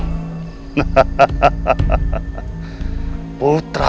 telah berada di tanganku sekarang